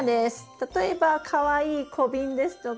例えばかわいい小瓶ですとか。